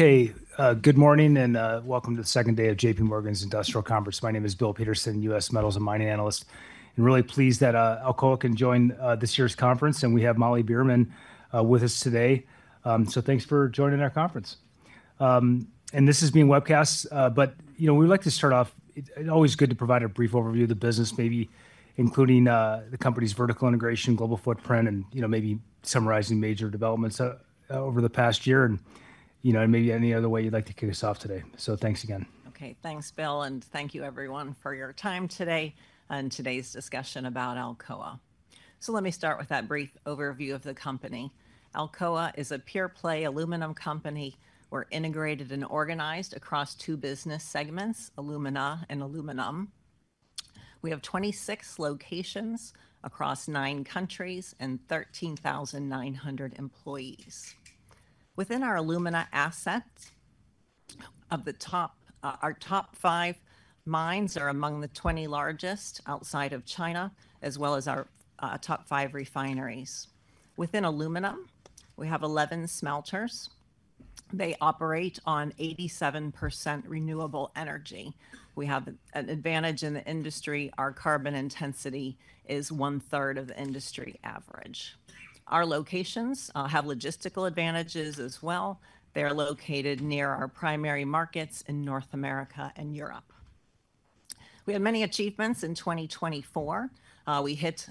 Okay, good morning and welcome to the second day of JPMorgan's Industrial Conference. My name is Bill Peterson, U.S. metals and mining analyst, and really pleased that Alcoa can join this year's conference. We have Molly Beerman with us today. Thanks for joining our conference. This is being webcast, but we like to start off. It's always good to provide a brief overview of the business, maybe including the company's vertical integration, global footprint, and maybe summarizing major developments over the past year. Maybe any other way you'd like to kick us off today. Thanks again. Okay, thanks, Bill, and thank you, everyone, for your time today and today's discussion about Alcoa. Let me start with that brief overview of the company. Alcoa is a pure-play aluminum company. We're integrated and organized across two business segments, alumina and aluminum. We have 26 locations across nine countries and 13,900 employees. Within our alumina assets, our top five mines are among the 20 largest outside of China, as well as our top five refineries. Within aluminum, we have 11 smelters. They operate on 87% renewable energy. We have an advantage in the industry. Our carbon intensity is one-third of the industry average. Our locations have logistical advantages as well. They're located near our primary markets in North America and Europe. We had many achievements in 2024. We hit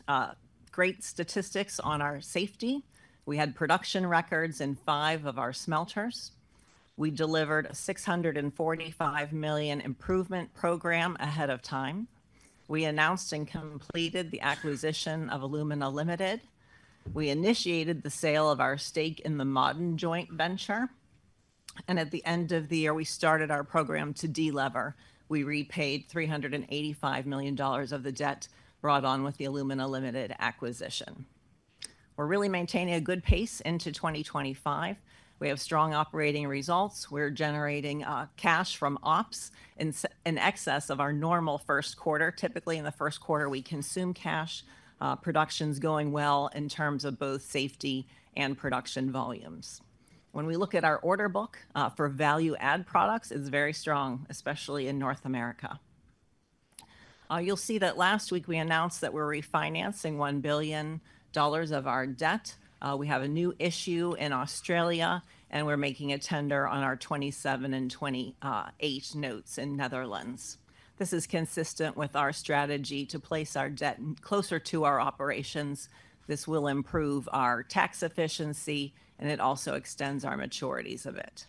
great statistics on our safety. We had production records in five of our smelters. We delivered a $645 million improvement program ahead of time. We announced and completed the acquisition of Alumina Limited. We initiated the sale of our stake in the Ma'aden joint venture. At the end of the year, we started our program to delever. We repaid $385 million of the debt brought on with the Alumina Limited acquisition. We're really maintaining a good pace into 2025. We have strong operating results. We're generating cash from ops in excess of our normal first quarter. Typically, in the first quarter, we consume cash. Production's going well in terms of both safety and production volumes. When we look at our order book for value-add products, it's very strong, especially in North America. You'll see that last week we announced that we're refinancing $1 billion of our debt. We have a new issue in Australia, and we're making a tender on our 27 and 28 notes in Netherlands. This is consistent with our strategy to place our debt closer to our operations. This will improve our tax efficiency, and it also extends our maturities a bit.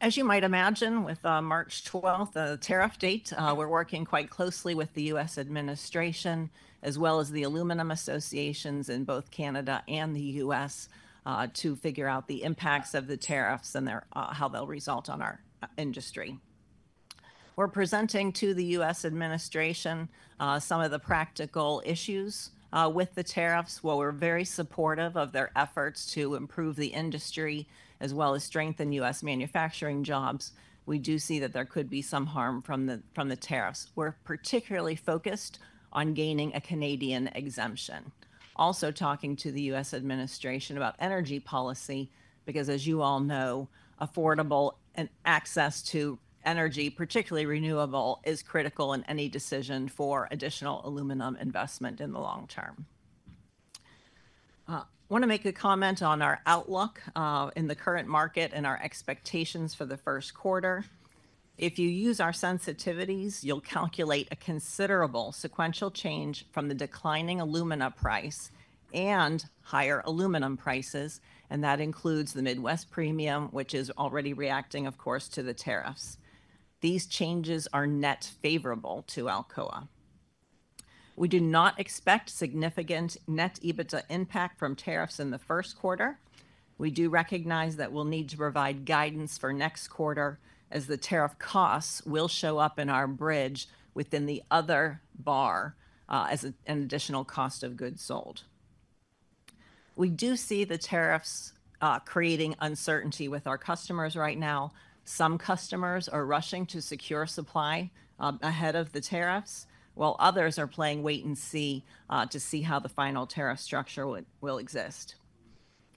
As you might imagine, with March 12, a tariff date, we're working quite closely with the U.S. administration, as well as the aluminum associations in both Canada and the U.S. to figure out the impacts of the tariffs and how they'll result on our industry. We're presenting to the U.S. administration some of the practical issues with the tariffs. While we're very supportive of their efforts to improve the industry, as well as strengthen U.S. manufacturing jobs, we do see that there could be some harm from the tariffs. We're particularly focused on gaining a Canadian exemption. Also talking to the U.S. Administration about energy policy, because, as you all know, affordable access to energy, particularly renewable, is critical in any decision for additional aluminum investment in the long term. I want to make a comment on our outlook in the current market and our expectations for the first quarter. If you use our sensitivities, you'll calculate a considerable sequential change from the declining alumina price and higher aluminum prices. That includes the Midwest Premium, which is already reacting, of course, to the tariffs. These changes are net favorable to Alcoa. We do not expect significant net EBITDA impact from tariffs in the first quarter. We do recognize that we'll need to provide guidance for next quarter, as the tariff costs will show up in our bridge within the other bar as an additional cost of goods sold. We do see the tariffs creating uncertainty with our customers right now. Some customers are rushing to secure supply ahead of the tariffs, while others are playing wait and see to see how the final tariff structure will exist.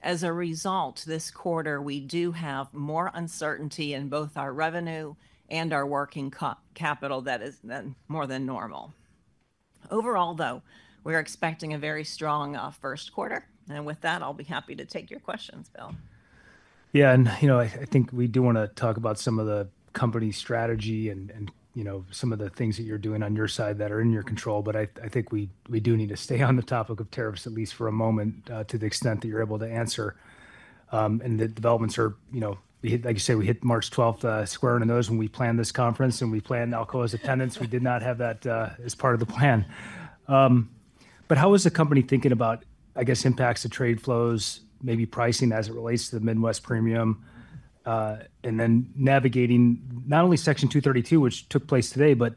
As a result, this quarter, we do have more uncertainty in both our revenue and our working capital that is more than normal. Overall, though, we're expecting a very strong first quarter. With that, I'll be happy to take your questions, Bill. Yeah, I think we do want to talk about some of the company strategy and some of the things that you're doing on your side that are in your control. I think we do need to stay on the topic of tariffs at least for a moment to the extent that you're able to answer. The developments are, like you say, we hit March 12th square in the nose. When we planned this conference and we planned Alcoa's attendance, we did not have that as part of the plan. How is the company thinking about, I guess, impacts of trade flows, maybe pricing as it relates to the Midwest Premium, and then navigating not only Section 232, which took place today, but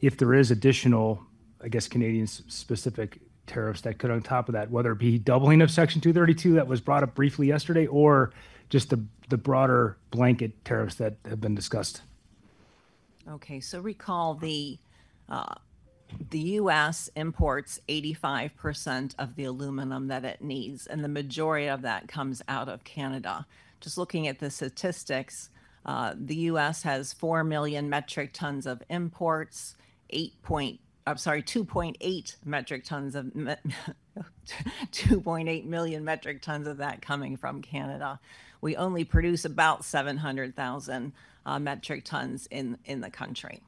if there is additional, I guess, Canadian-specific tariffs that could, on top of that, whether it be doubling of Section 232 that was brought up briefly yesterday, or just the broader blanket tariffs that have been discussed? Okay, so recall the U.S. imports 85% of the aluminum that it needs, and the majority of that comes out of Canada. Just looking at the statistics, the U.S. has 4 million metric tons of imports, 8.8, I'm sorry, 2.8 million metric tons of that coming from Canada. We only produce about 700,000 metric tons in the country.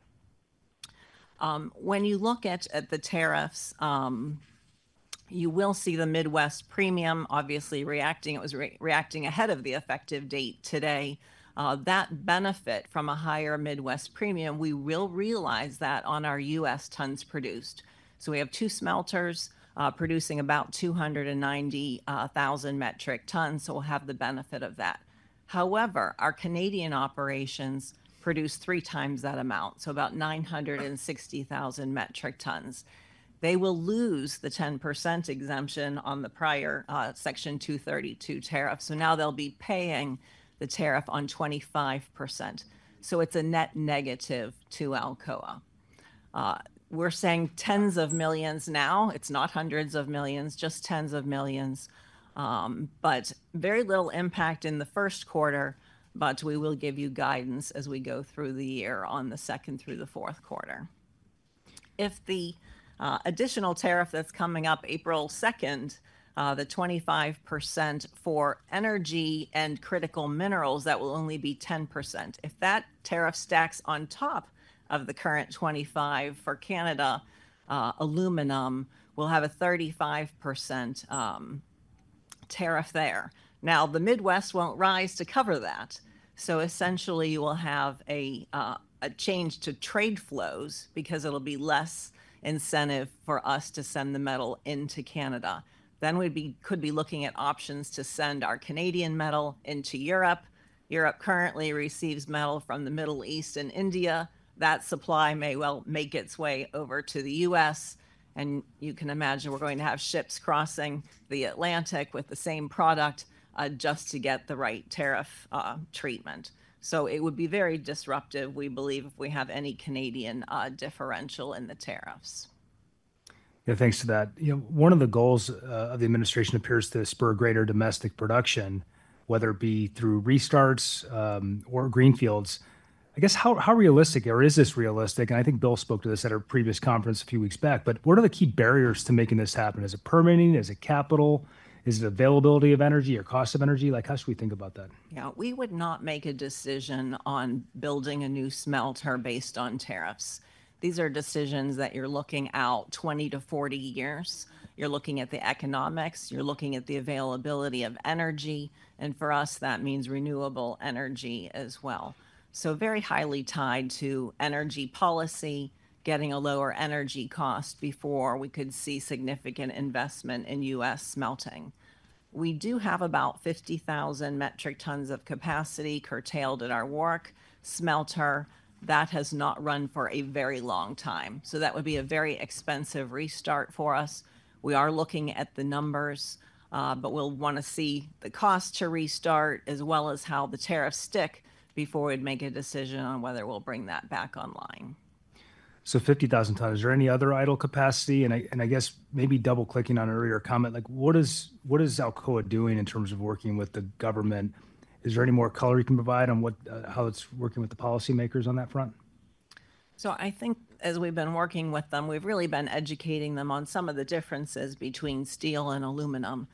When you look at the tariffs, you will see the Midwest premium obviously reacting. It was reacting ahead of the effective date today. That benefit from a higher Midwest premium, we will realize that on our U.S. tons produced. We have two smelters producing about 290,000 metric tons, so we'll have the benefit of that. However, our Canadian operations produce three times that amount, so about 960,000 metric tons. They will lose the 10% exemption on the prior Section 232 tariff. They'll be paying the tariff on 25%. It's a net negative to Alcoa. We're saying tens of millions now. It's not hundreds of millions, just tens of millions, but very little impact in the first quarter. We will give you guidance as we go through the year on the second through the fourth quarter. If the additional tariff that's coming up April 2, the 25% for energy and critical minerals, that will only be 10%. If that tariff stacks on top of the current 25% for Canada, aluminum will have a 35% tariff there. The Midwest won't rise to cover that. Essentially, you will have a change to trade flows because it'll be less incentive for us to send the metal into Canada. We could be looking at options to send our Canadian metal into Europe. Europe currently receives metal from the Middle East and India. That supply may well make its way over to the U.S. You can imagine we're going to have ships crossing the Atlantic with the same product just to get the right tariff treatment. It would be very disruptive, we believe, if we have any Canadian differential in the tariffs. Yeah, thanks to that. One of the goals of the administration appears to spur greater domestic production, whether it be through restarts or greenfields. I guess, how realistic, or is this realistic? I think Bill spoke to this at a previous conference a few weeks back, but what are the key barriers to making this happen? Is it permitting? Is it capital? Is it availability of energy or cost of energy? Like, how should we think about that? Yeah, we would not make a decision on building a new smelter based on tariffs. These are decisions that you're looking out 20 to 40 years. You're looking at the economics. You're looking at the availability of energy. For us, that means renewable energy as well. Very highly tied to energy policy, getting a lower energy cost before we could see significant investment in U.S. smelting. We do have about 50,000 metric tons of capacity curtailed at our Warrick smelter that has not run for a very long time. That would be a very expensive restart for us. We are looking at the numbers, but we'll want to see the cost to restart, as well as how the tariffs stick before we'd make a decision on whether we'll bring that back online. Fifty thousand tons. Is there any other idle capacity? I guess maybe double-clicking on an earlier comment, like what is Alcoa doing in terms of working with the government? Is there any more color you can provide on how it's working with the policymakers on that front? I think as we've been working with them, we've really been educating them on some of the differences between steel and aluminum.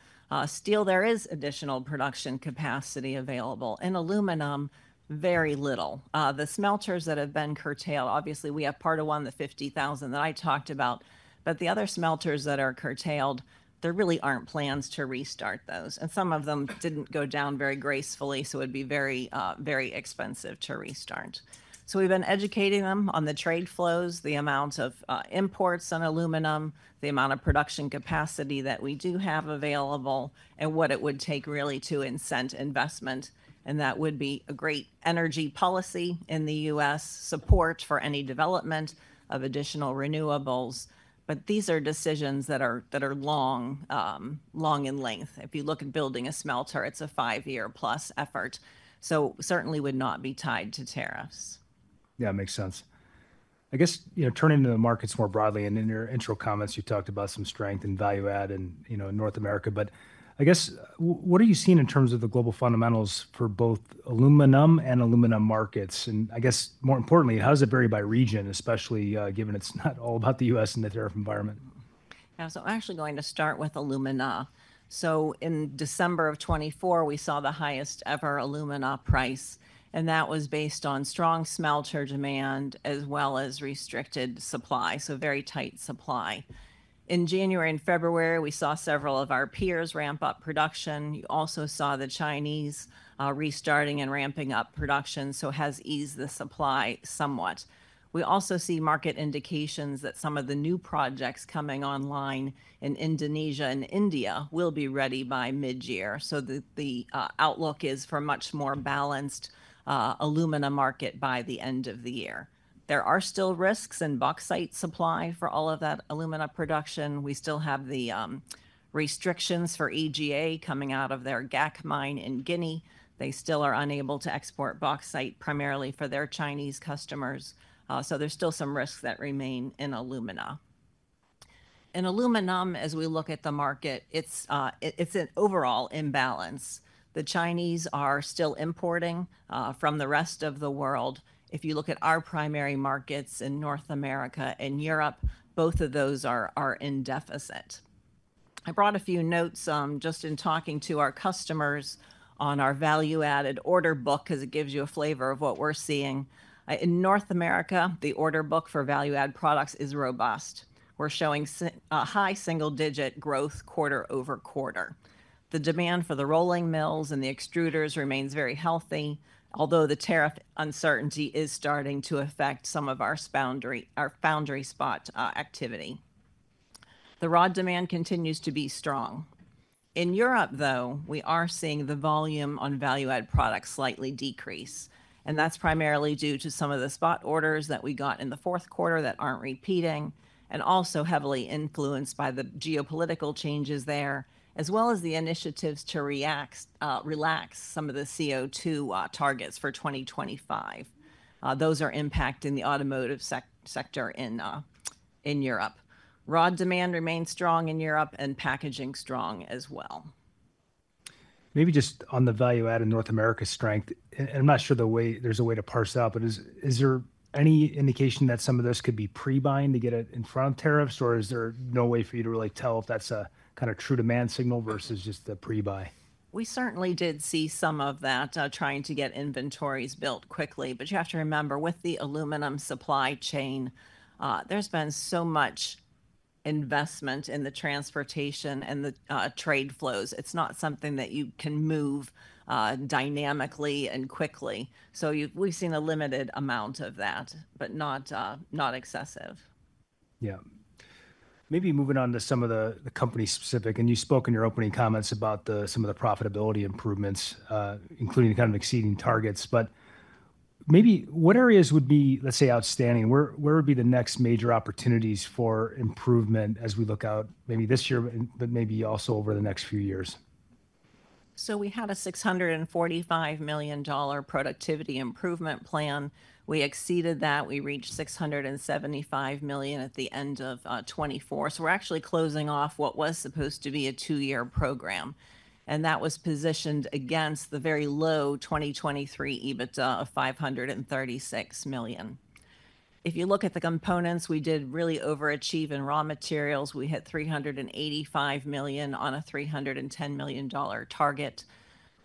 Steel, there is additional production capacity available. In aluminum, very little. The smelters that have been curtailed, obviously, we have part of one, the 50,000 that I talked about. The other smelters that are curtailed, there really aren't plans to restart those. Some of them didn't go down very gracefully, so it'd be very, very expensive to restart. We've been educating them on the trade flows, the amount of imports on aluminum, the amount of production capacity that we do have available, and what it would take really to incent investment. That would be a great energy policy in the U.S. support for any development of additional renewables. These are decisions that are long in length. If you look at building a smelter, it's a five-year-plus effort. Certainly would not be tied to tariffs. Yeah, makes sense. I guess turning to the markets more broadly, and in your intro comments, you talked about some strength and value-add in North America. I guess, what are you seeing in terms of the global fundamentals for both alumina and aluminum markets? I guess, more importantly, how does it vary by region, especially given it's not all about the U.S. in the tariff environment? Yeah, so I'm actually going to start with alumina. In December of 2024, we saw the highest-ever alumina price. That was based on strong smelter demand as well as restricted supply, so very tight supply. In January and February, we saw several of our peers ramp up production. You also saw the Chinese restarting and ramping up production, so it has eased the supply somewhat. We also see market indications that some of the new projects coming online in Indonesia and India will be ready by mid-year. The outlook is for a much more balanced alumina market by the end of the year. There are still risks in bauxite supply for all of that alumina production. We still have the restrictions for EGA coming out of their GAC mine in Guinea. They still are unable to export bauxite primarily for their Chinese customers. There are still some risks that remain in alumina. In aluminum, as we look at the market, it is an overall imbalance. The Chinese are still importing from the rest of the world. If you look at our primary markets in North America and Europe, both of those are in deficit. I brought a few notes just in talking to our customers on our value-added order book, because it gives you a flavor of what we are seeing. In North America, the order book for value-add products is robust. We are showing high single-digit growth quarter over quarter. The demand for the rolling mills and the extruders remains very healthy, although the tariff uncertainty is starting to affect some of our foundry spot activity. The raw demand continues to be strong. In Europe, though, we are seeing the volume on value-add products slightly decrease. That is primarily due to some of the spot orders that we got in the fourth quarter that are not repeating and also heavily influenced by the geopolitical changes there, as well as the initiatives to relax some of the CO2 targets for 2025. Those are impacting the automotive sector in Europe. Raw demand remains strong in Europe and packaging strong as well. Maybe just on the value-add in North America strength, and I'm not sure there's a way to parse out, but is there any indication that some of those could be pre-buying to get in front of tariffs, or is there no way for you to really tell if that's a kind of true demand signal versus just a pre-buy? We certainly did see some of that trying to get inventories built quickly. You have to remember, with the aluminum supply chain, there's been so much investment in the transportation and the trade flows. It's not something that you can move dynamically and quickly. We have seen a limited amount of that, but not excessive. Yeah. Maybe moving on to some of the company-specific, and you spoke in your opening comments about some of the profitability improvements, including kind of exceeding targets. Maybe what areas would be, let's say, outstanding? Where would be the next major opportunities for improvement as we look out maybe this year, but maybe also over the next few years? We had a $645 million productivity improvement plan. We exceeded that. We reached $675 million at the end of 2024. We are actually closing off what was supposed to be a two-year program. That was positioned against the very low 2023 EBITDA of $536 million. If you look at the components, we did really overachieve in raw materials. We hit $385 million on a $310 million target.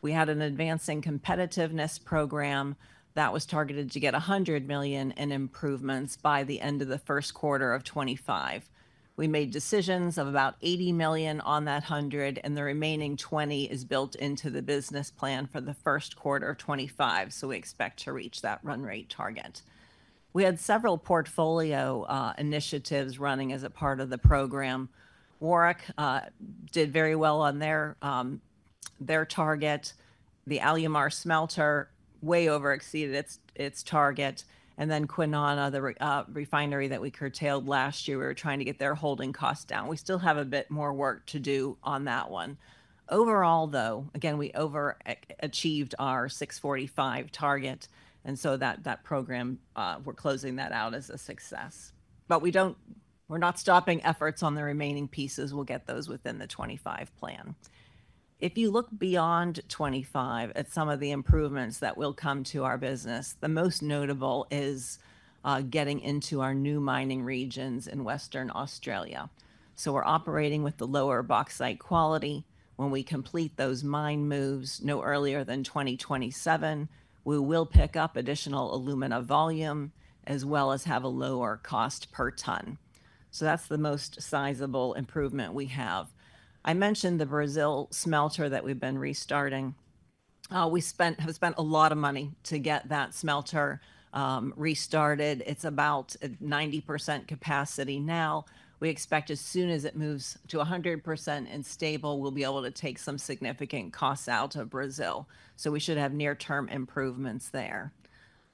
We had an advancing competitiveness program that was targeted to get $100 million in improvements by the end of the first quarter of 2025. We made decisions of about $80 million on that $100 million, and the remaining $20 million is built into the business plan for the first quarter of 2025. We expect to reach that run rate target. We had several portfolio initiatives running as a part of the program. Warrick did very well on their target. The Alumar smelter way over-exceeded its target. And then Kwinana, the refinery that we curtailed last year, we were trying to get their holding costs down. We still have a bit more work to do on that one. Overall, though, again, we over-achieved our $645 million target. And so that program, we're closing that out as a success. But we're not stopping efforts on the remaining pieces. We'll get those within the '25 plan. If you look beyond '25 at some of the improvements that will come to our business, the most notable is getting into our new mining regions in Western Australia. So we're operating with the lower bauxite quality. When we complete those mine moves no earlier than 2027, we will pick up additional alumina volume as well as have a lower cost per ton. So that's the most sizable improvement we have. I mentioned the Brazil smelter that we've been restarting. We have spent a lot of money to get that smelter restarted. It's about 90% capacity now. We expect as soon as it moves to 100% and stable, we'll be able to take some significant costs out of Brazil. We should have near-term improvements there.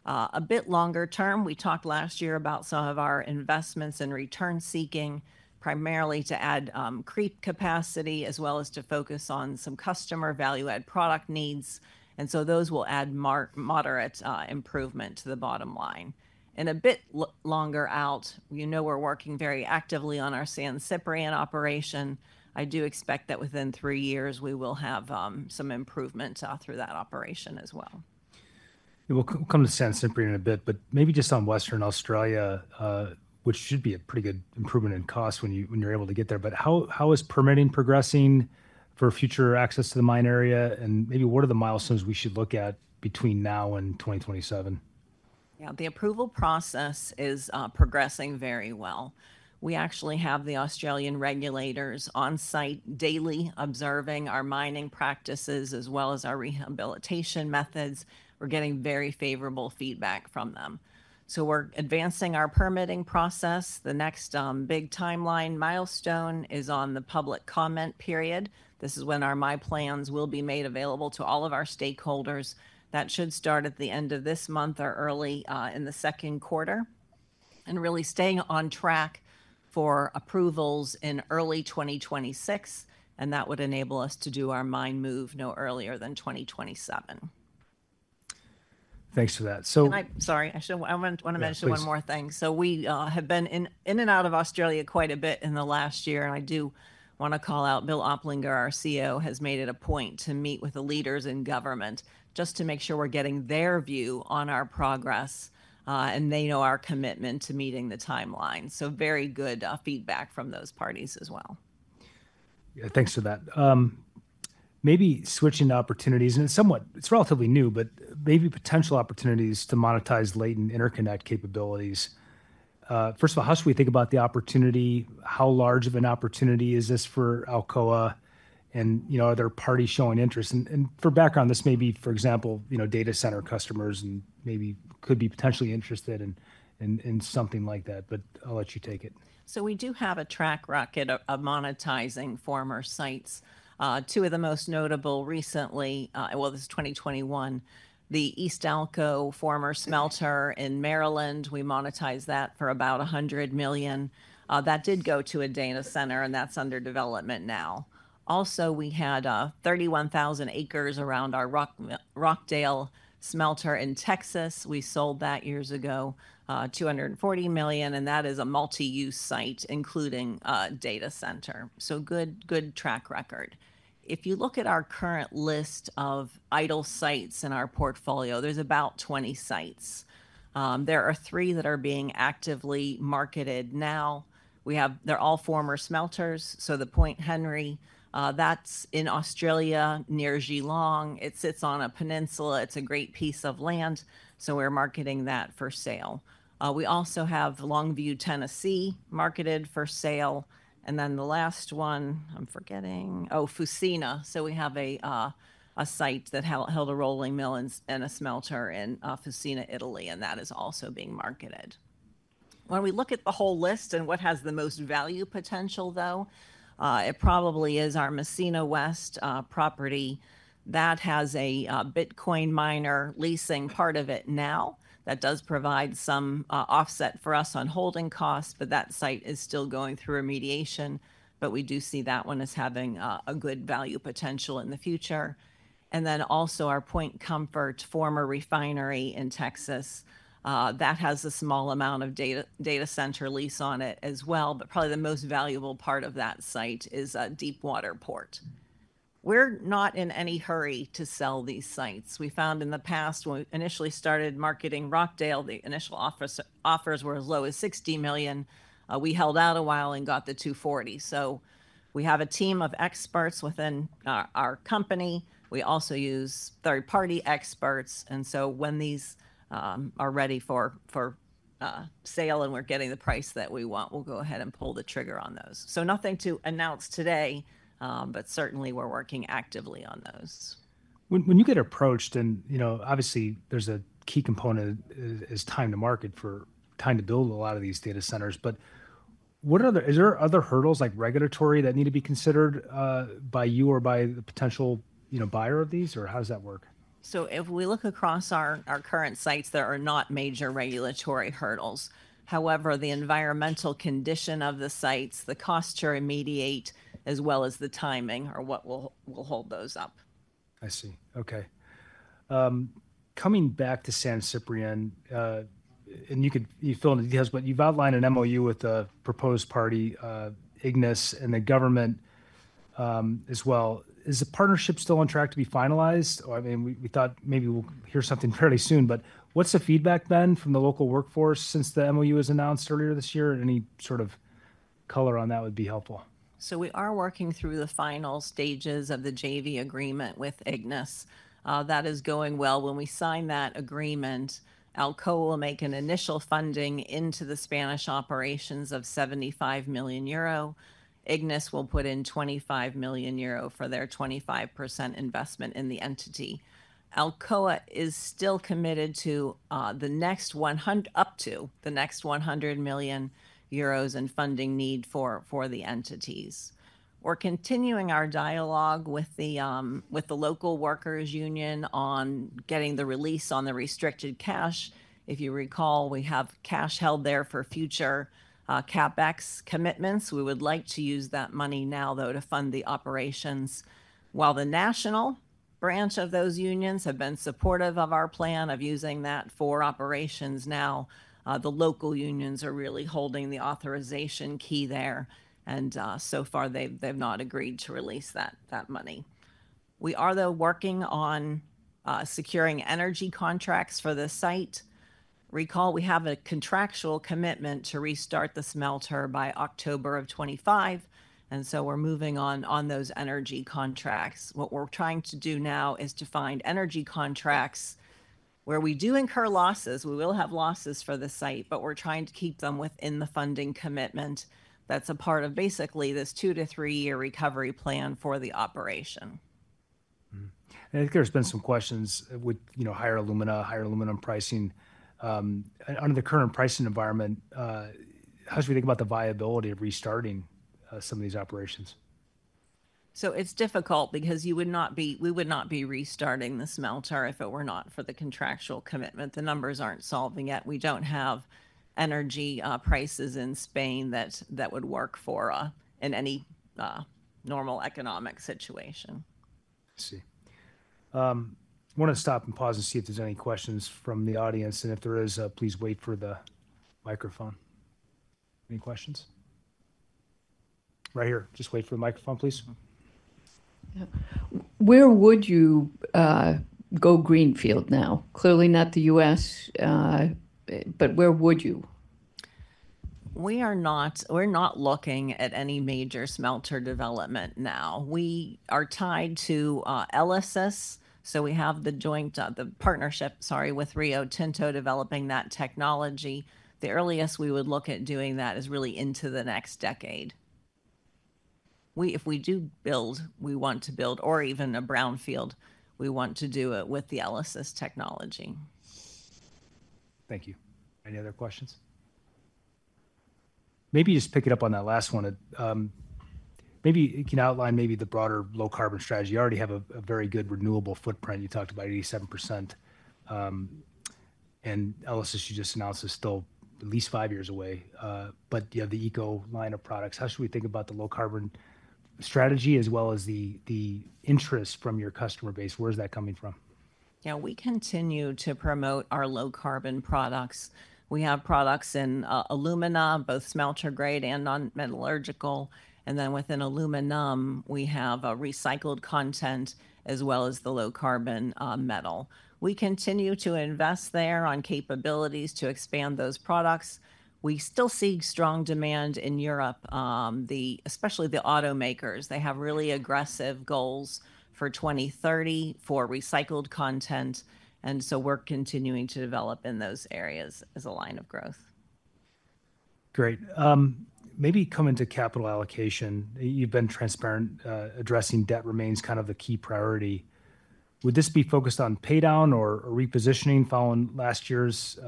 A bit longer term, we talked last year about some of our investments in return-seeking, primarily to add creep capacity as well as to focus on some customer value-add product needs. Those will add moderate improvement to the bottom line. A bit longer out, you know we're working very actively on our San Ciprian operation. I do expect that within three years, we will have some improvement through that operation as well. We'll come to San Ciprian in a bit, but maybe just on Western Australia, which should be a pretty good improvement in cost when you're able to get there. How is permitting progressing for future access to the mine area? Maybe what are the milestones we should look at between now and 2027? Yeah, the approval process is progressing very well. We actually have the Australian regulators on site daily observing our mining practices as well as our rehabilitation methods. We're getting very favorable feedback from them. We are advancing our permitting process. The next big timeline milestone is on the public comment period. This is when our mine plans will be made available to all of our stakeholders. That should start at the end of this month or early in the second quarter and really staying on track for approvals in early 2026. That would enable us to do our mine move no earlier than 2027. Thanks for that. Sorry. I want to mention one more thing. We have been in and out of Australia quite a bit in the last year. I do want to call out Bill Oplinger, our CEO, has made it a point to meet with the leaders in government just to make sure we're getting their view on our progress. They know our commitment to meeting the timeline. Very good feedback from those parties as well. Yeah, thanks for that. Maybe switching opportunities, and it's relatively new, but maybe potential opportunities to monetize latent interconnect capabilities. First of all, how should we think about the opportunity? How large of an opportunity is this for Alcoa? Are there parties showing interest? For background, this may be, for example, data center customers and maybe could be potentially interested in something like that. I'll let you take it. We do have a track record of monetizing former sites. Two of the most notable recently, this is 2021, the Eastalco former smelter in Maryland. We monetized that for about $100 million. That did go to a data center, and that's under development now. Also, we had 31,000 acres around our Rockdale smelter in Texas. We sold that years ago, $240 million. That is a multi-use site, including data center. Good track record. If you look at our current list of idle sites in our portfolio, there's about 20 sites. There are three that are being actively marketed now. They're all former smelters. The Point Henry, that's in Australia near Geelong. It sits on a peninsula. It's a great piece of land. We're marketing that for sale. We also have Longview, Tennessee, marketed for sale. The last one, I'm forgetting, oh, Fusina. We have a site that held a rolling mill and a smelter in Fusina, Italy, and that is also being marketed. When we look at the whole list and what has the most value potential, though, it probably is our Massena West property. That has a Bitcoin miner leasing part of it now. That does provide some offset for us on holding costs, but that site is still going through remediation. We do see that one as having a good value potential in the future. Also, our Point Comfort former refinery in Texas has a small amount of data center lease on it as well. Probably the most valuable part of that site is a deep water port. We're not in any hurry to sell these sites. We found in the past, when we initially started marketing Rockdale, the initial offers were as low as $60 million. We held out a while and got the $240 million. We have a team of experts within our company. We also use third-party experts. When these are ready for sale and we're getting the price that we want, we'll go ahead and pull the trigger on those. Nothing to announce today, but certainly we're working actively on those. When you get approached, and obviously there's a key component is time to market for time to build a lot of these data centers. Is there other hurdles, like regulatory, that need to be considered by you or by the potential buyer of these? Or how does that work? If we look across our current sites, there are not major regulatory hurdles. However, the environmental condition of the sites, the cost to remediate, as well as the timing are what will hold those up. I see. Okay. Coming back to San Ciprian, and you fill in the details, but you've outlined an MOU with the proposed party, Ignis, and the government as well. Is the partnership still on track to be finalized? I mean, we thought maybe we'll hear something fairly soon. What's the feedback been from the local workforce since the MOU was announced earlier this year? Any sort of color on that would be helpful. We are working through the final stages of the JV agreement with Ignis. That is going well. When we sign that agreement, Alcoa will make an initial funding into the Spanish operations of 75 million euro. Ignis will put in 25 million euro for their 25% investment in the entity. Alcoa is still committed to the next up to the next 100 million euros in funding need for the entities. We're continuing our dialogue with the local workers' union on getting the release on the restricted cash. If you recall, we have cash held there for future CapEx commitments. We would like to use that money now, though, to fund the operations. While the national branch of those unions have been supportive of our plan of using that for operations now, the local unions are really holding the authorization key there. So far, they've not agreed to release that money. We are, though, working on securing energy contracts for the site. Recall, we have a contractual commitment to restart the smelter by October of 2025. We are moving on those energy contracts. What we are trying to do now is to find energy contracts where we do incur losses. We will have losses for the site, but we are trying to keep them within the funding commitment. That is a part of basically this two- to three-year recovery plan for the operation. I think there's been some questions with higher alumina, higher aluminum pricing. Under the current pricing environment, how should we think about the viability of restarting some of these operations? It's difficult because we would not be restarting the smelter if it were not for the contractual commitment. The numbers aren't solving yet. We don't have energy prices in Spain that would work for us in any normal economic situation. I see. I want to stop and pause and see if there's any questions from the audience. If there is, please wait for the microphone. Any questions? Right here. Just wait for the microphone, please. Where would you go greenfield now? Clearly not the U.S., but where would you? We are not looking at any major smelter development now. We are tied to ELYSIS. We have the partnership, sorry, with Rio Tinto developing that technology. The earliest we would look at doing that is really into the next decade. If we do build, we want to build, or even a brownfield, we want to do it with the ELYSIS technology. Thank you. Any other questions? Maybe just pick it up on that last one. Maybe you can outline maybe the broader low-carbon strategy. You already have a very good renewable footprint. You talked about 87%. And ELYSIS, you just announced, is still at least five years away. But you have the eco line of products. How should we think about the low-carbon strategy as well as the interest from your customer base? Where's that coming from? Yeah, we continue to promote our low-carbon products. We have products in alumina, both smelter-grade and non-metallurgical. Then within aluminum, we have recycled content as well as the low-carbon metal. We continue to invest there on capabilities to expand those products. We still see strong demand in Europe, especially the automakers. They have really aggressive goals for 2030 for recycled content. We are continuing to develop in those areas as a line of growth. Great. Maybe coming to capital allocation, you've been transparent addressing debt remains kind of a key priority. Would this be focused on paydown or repositioning following last year's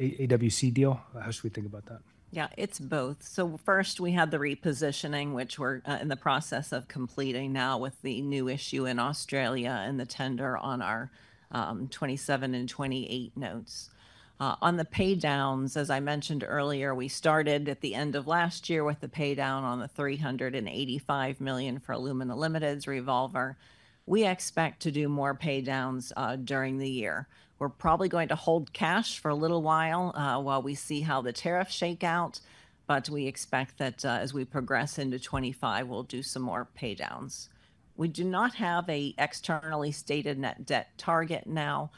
AWC deal? How should we think about that? Yeah, it's both. First, we had the repositioning, which we're in the process of completing now with the new issue in Australia and the tender on our 2027 and 2028 notes. On the paydowns, as I mentioned earlier, we started at the end of last year with the paydown on the $385 million for Alumina Limited's revolver. We expect to do more paydowns during the year. We're probably going to hold cash for a little while while we see how the tariffs shake out. We expect that as we progress into 2025, we'll do some more paydowns. We do not have an externally stated net debt target now.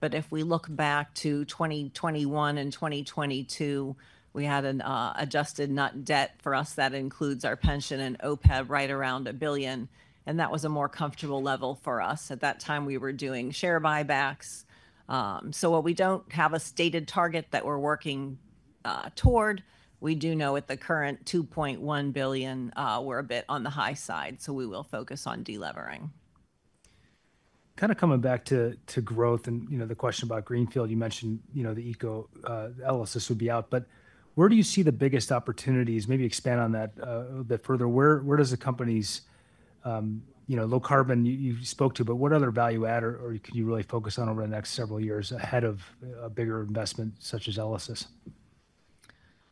If we look back to 2021 and 2022, we had an adjusted net debt for us that includes our pension and OPEB right around $1 billion. That was a more comfortable level for us. At that time, we were doing share buybacks. While we don't have a stated target that we're working toward, we do know at the current $2.1 billion, we're a bit on the high side. We will focus on delivering. Kind of coming back to growth and the question about greenfield, you mentioned the ELYSIS would be out. Where do you see the biggest opportunities? Maybe expand on that a bit further. Where does the company's low carbon you spoke to, but what other value add or can you really focus on over the next several years ahead of a bigger investment such as ELYSIS?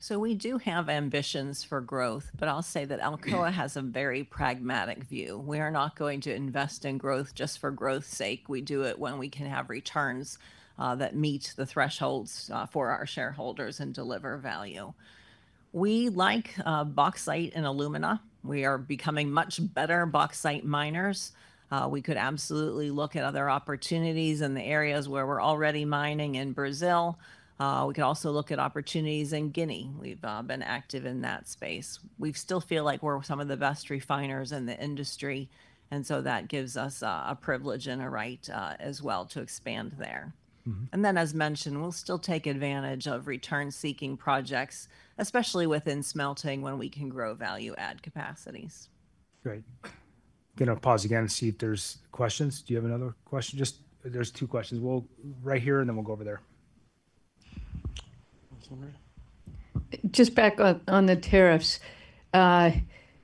We do have ambitions for growth, but I'll say that Alcoa has a very pragmatic view. We are not going to invest in growth just for growth's sake. We do it when we can have returns that meet the thresholds for our shareholders and deliver value. We like bauxite and alumina. We are becoming much better bauxite miners. We could absolutely look at other opportunities in the areas where we're already mining in Brazil. We could also look at opportunities in Guinea. We've been active in that space. We still feel like we're some of the best refiners in the industry. That gives us a privilege and a right as well to expand there. As mentioned, we'll still take advantage of return-seeking projects, especially within smelting when we can grow value-add capacities. Great. Going to pause again and see if there's questions. Do you have another question? Just there's two questions. We'll right here and then we'll go over there. Just back on the tariffs.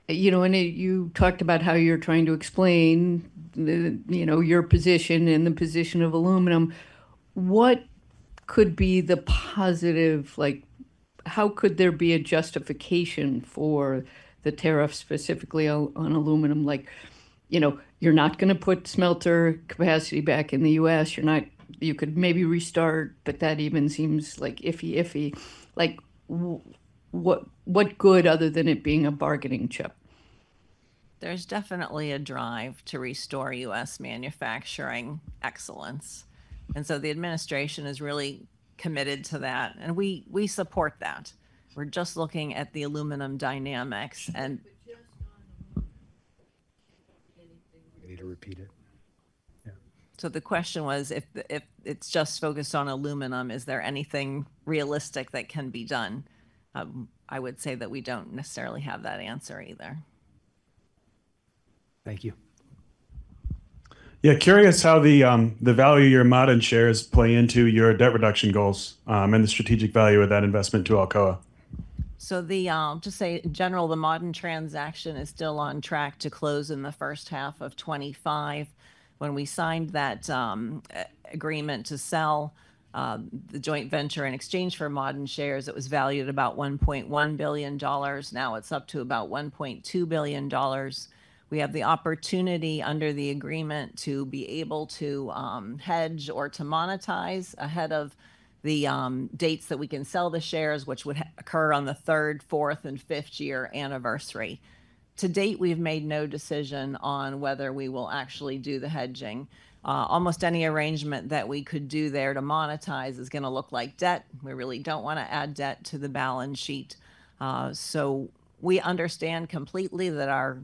You talked about how you're trying to explain your position and the position of aluminum. What could be the positive? How could there be a justification for the tariff specifically on aluminum? You're not going to put smelter capacity back in the U.S. You could maybe restart, but that even seems like iffy, iffy. What good other than it being a bargaining chip? is definitely a drive to restore U.S. manufacturing excellence. The administration is really committed to that. We support that. We are just looking at the aluminum dynamics. You need to repeat it. Yeah. The question was, if it's just focused on aluminum, is there anything realistic that can be done? I would say that we don't necessarily have that answer either. Thank you. Yeah, curious how the value of your Ma'aden shares play into your debt reduction goals and the strategic value of that investment to Alcoa. Just say, in general, the Ma'aden transaction is still on track to close in the first half of 2025. When we signed that agreement to sell the joint venture in exchange for Ma'aden shares, it was valued at about $1.1 billion. Now it is up to about $1.2 billion. We have the opportunity under the agreement to be able to hedge or to monetize ahead of the dates that we can sell the shares, which would occur on the third, fourth, and fifth year anniversary. To date, we have made no decision on whether we will actually do the hedging. Almost any arrangement that we could do there to monetize is going to look like debt. We really do not want to add debt to the balance sheet. We understand completely that our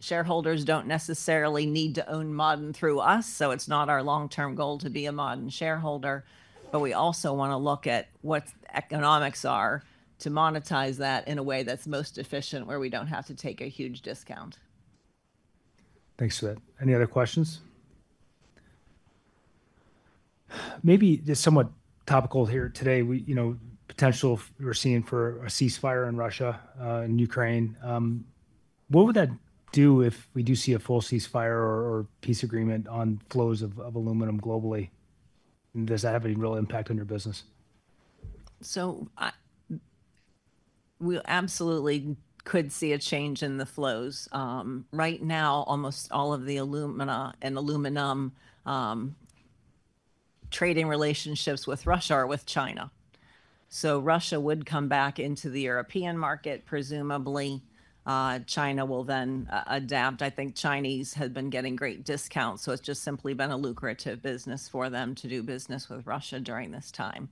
shareholders do not necessarily need to own Ma'aden through us. It is not our long-term goal to be a modern shareholder. But we also want to look at what the economics are to monetize that in a way that is most efficient where we do not have to take a huge discount. Thanks for that. Any other questions? Maybe just somewhat topical here today, potential we're seeing for a ceasefire in Russia and Ukraine. What would that do if we do see a full ceasefire or peace agreement on flows of aluminum globally? Does that have any real impact on your business? We absolutely could see a change in the flows. Right now, almost all of the alumina and aluminum trading relationships with Russia are with China. Russia would come back into the European market, presumably. China will then adapt. I think Chinese have been getting great discounts. It has just simply been a lucrative business for them to do business with Russia during this time.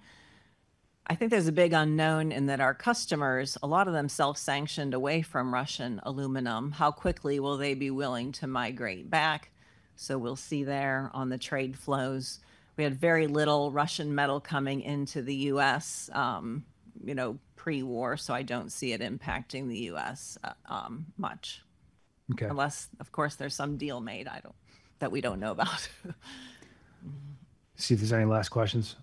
I think there is a big unknown in that our customers, a lot of them self-sanctioned away from Russian aluminum. How quickly will they be willing to migrate back? We will see there on the trade flows. We had very little Russian metal coming into the U.S. pre-war, so I do not see it impacting the U.S. much. Unless, of course, there is some deal made that we do not know about. See if there's any last questions.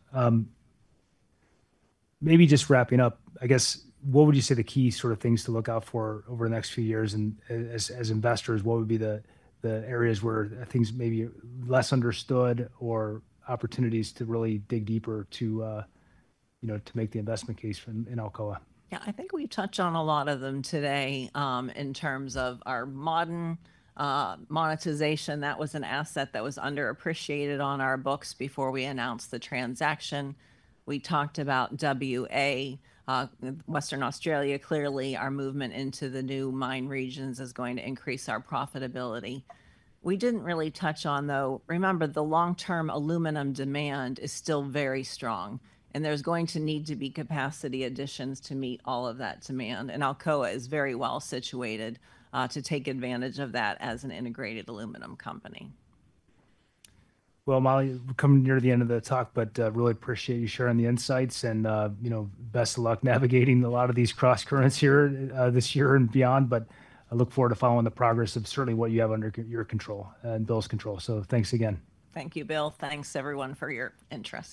Maybe just wrapping up, I guess, what would you say the key sort of things to look out for over the next few years? As investors, what would be the areas where things may be less understood or opportunities to really dig deeper to make the investment case in Alcoa? Yeah, I think we touched on a lot of them today in terms of our modern monetization. That was an asset that was underappreciated on our books before we announced the transaction. We talked about WA, Western Australia. Clearly, our movement into the new mine regions is going to increase our profitability. We did not really touch on, though, remember, the long-term aluminum demand is still very strong. There is going to need to be capacity additions to meet all of that demand. Alcoa is very well situated to take advantage of that as an integrated aluminum company. Molly, we're coming near the end of the talk, but really appreciate you sharing the insights. I really wish you the best of luck navigating a lot of these cross currents here this year and beyond. I look forward to following the progress of certainly what you have under your control and Bill's control. Thanks again. Thank you, Bill. Thanks, everyone, for your interest.